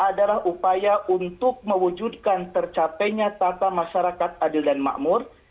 adalah upaya untuk mewujudkan tercapainya tata masyarakat adil dan makmur